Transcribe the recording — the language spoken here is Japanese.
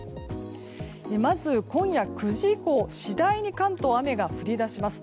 まず今夜９時以降次第に関東、雨が降り出します。